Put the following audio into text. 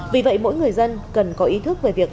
vì vậy mỗi người dân cần có ý thức về việc